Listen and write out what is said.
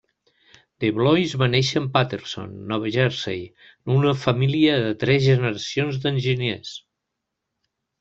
De Blois va néixer en Paterson, Nova Jersey, en una família de tres generacions d'enginyers.